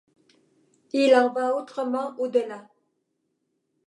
Il en va autrement au-delà.